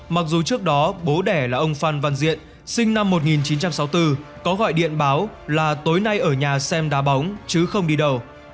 mặc dù trước đó bố đẻ là ông phan văn diện sinh năm một nghìn chín trăm sáu mươi bốn có gọi điện báo là tối nay ở nhà xem đá bóng chứ không đi đầu